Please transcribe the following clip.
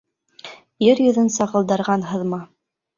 Ер йөҙөн сағылдырған һыҙма.